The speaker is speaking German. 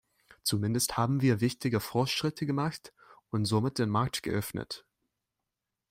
Zumindest haben wir wichtige Fortschritte gemacht und somit den Markt geöffnet.